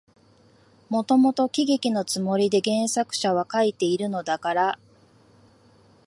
もともと喜劇のつもりで原作者は書いているのだから、